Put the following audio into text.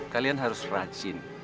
kalian harus rajin